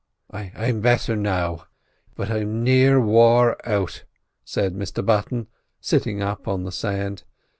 "I'm better now, but I'm near wore out," said Mr Button, sitting up on the sand.